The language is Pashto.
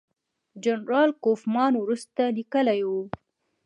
جنرال کوفمان وروسته لیکلي وو.